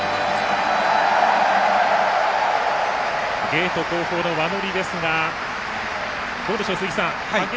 ゲート後方の輪乗りですがどうでしょう、鈴木さん